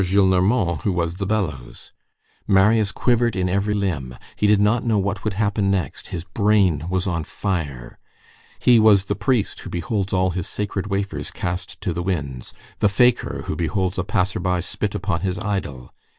Gillenormand who was the bellows. Marius quivered in every limb, he did not know what would happen next, his brain was on fire. He was the priest who beholds all his sacred wafers cast to the winds, the fakir who beholds a passer by spit upon his idol.